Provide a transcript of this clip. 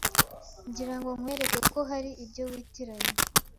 ngira ngo nkwereke ko hari ibyo witiranya